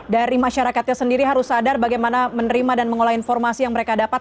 dari masyarakatnya sendiri harus sadar bagaimana menerima dan mengolah informasi yang mereka dapat